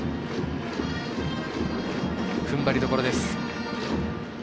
ふんばりどころです。